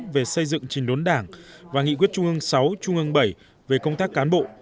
về xây dựng trình đốn đảng và nghị quyết trung ương sáu trung ương bảy về công tác cán bộ